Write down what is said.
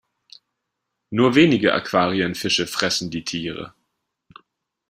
Nur wenige Aquarienfische fressen die Tiere.